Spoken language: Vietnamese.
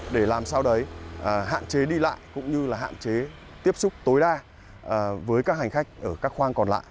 để làm sao đấy hạn chế đi lại cũng như là hạn chế tiếp xúc tối đa với các hành khách ở các khoang còn lại